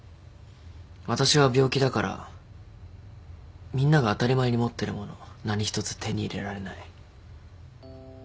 私は病気だからみんなが当たり前に持ってるもの何一つ手に入れられない。